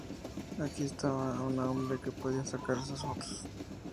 Aquí estaba un hombre que podía sacar esas fotos;.